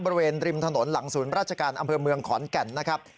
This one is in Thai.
บริเวณริมถนนหลังศูนย์ราชการอำเภอเมืองขอนแก่นนะครับ